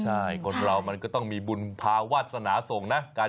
ใช่คนเรามันก็ต้องมีบุญภาวาสนาส่งนะ